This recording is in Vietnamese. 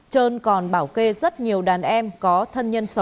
trơn còn bảo kê rất nhiều đàn em có thân nhân xấu